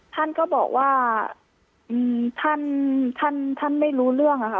ท่านก็บอกว่าท่านท่านไม่รู้เรื่องอะค่ะ